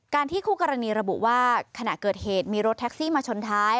ที่คู่กรณีระบุว่าขณะเกิดเหตุมีรถแท็กซี่มาชนท้าย